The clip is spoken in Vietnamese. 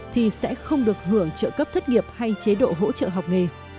thì sẽ không được hưởng trợ cấp thất nghiệp hay chế độ hỗ trợ học nghề